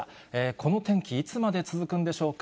この天気、いつまで続くんでしょうか。